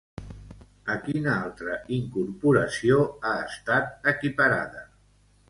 A quina altra incorporació ha estat equiparada?